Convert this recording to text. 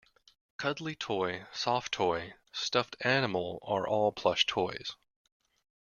Cuddly toy, soft toy, stuffed animal are all plush toys